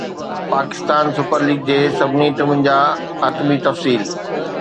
Pakistan super league جي سڀني ٽيمن جا حتمي تفصيل